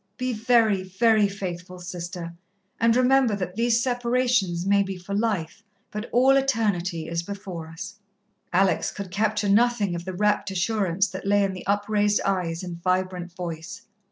Be very, very faithful, Sister, and remember that these separations may be for life, but all Eternity is before us." Alex could capture nothing of the rapt assurance that lay in the upraised eyes and vibrant voice.